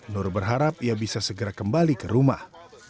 nur berharap ia bisa segera kembali ke rumah